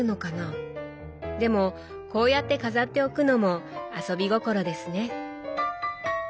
でもこうやって飾っておくのも遊び心ですね。